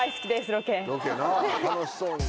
ロケな楽しそうに。